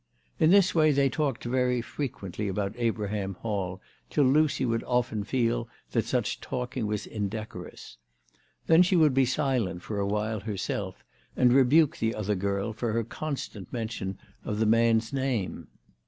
In this way they talked very frequently about Abraham Hall, till Lucy would often feel that such talking was indecorous. Then she would be silent for awhile herself, and rebuke the other girl for her constant mention of the man's name.